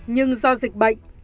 nhưng do dịch bệnh